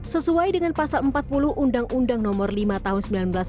sesuai dengan pasal empat puluh undang undang nomor lima tahun seribu sembilan ratus sembilan puluh